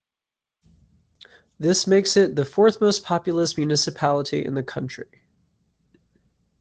This makes it the fourth most populous municipality in the country.